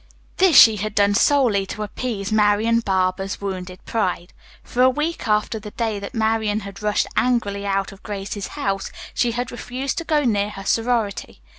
This she had done solely to appease Marian Barber's wounded pride. For a week after the day that Marian had rushed angrily out of Grace's house, she had refused to go near her sorority.